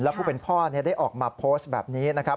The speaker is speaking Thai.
ผู้เป็นพ่อได้ออกมาโพสต์แบบนี้นะครับ